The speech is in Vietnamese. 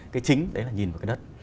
cái chính đấy là nhìn vào cái đất